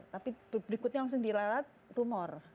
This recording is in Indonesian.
tapi berikutnya langsung dilewat tumor